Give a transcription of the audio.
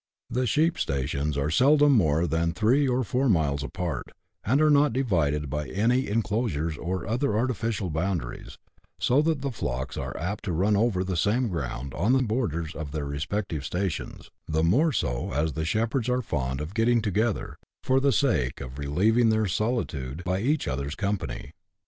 The sheep stations are seldom more than three or four miles apart, and are not divided by any enclo sures or other artificial boundaries, so that the flocks are apt to run over the same ground on the borders of their respective stations ; the more so as the shepherds are fond of getting together, for the sake of relieving their solitude by each other's company.